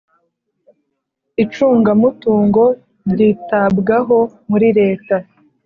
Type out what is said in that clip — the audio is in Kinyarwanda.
Icungamutungo ryitabwaho muri leta.